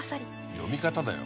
読み方だよ。